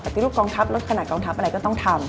ปฏิรูปกองทัพลดขนาดกองทัพอะไรก็ต้องทำ